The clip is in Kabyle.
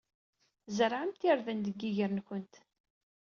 Tzerɛemt irden deg yiger-nwent.